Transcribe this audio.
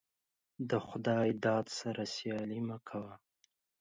دخداى داده سره سيالي مه کوه.